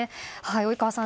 及川さん